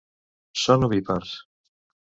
Són ovípars.